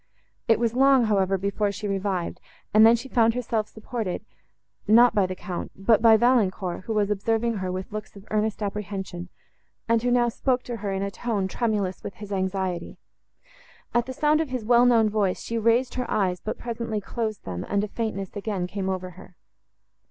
It was long, however, before she revived, and then she found herself supported—not by the Count, but by Valancourt, who was observing her with looks of earnest apprehension, and who now spoke to her in a tone, tremulous with his anxiety. At the sound of his well known voice, she raised her eyes, but presently closed them, and a faintness again came over her.